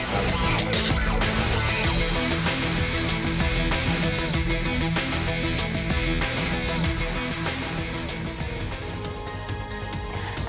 แก่มาแล้ว